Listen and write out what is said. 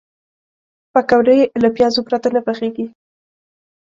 پکورې له پیازو پرته نه پخېږي